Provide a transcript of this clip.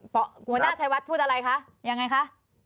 หัวหน้าชัยวัดพูดอะไรคะยังไงคะ